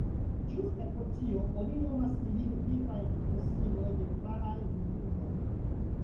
Ĝuste pro tio oni nomas ilin vivaj fosilioj de praaj vivuloj.